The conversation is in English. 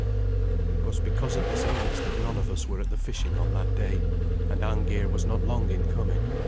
It was because of this illness that none of us were at the fishing on that day, and Arngeir was not long in coming.